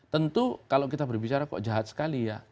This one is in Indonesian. tentu kalau kita berbicara kok jahat sekali ya